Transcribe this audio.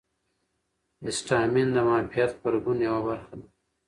هسټامین د معافیت غبرګون یوه برخه ده.